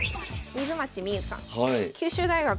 水町みゆさん。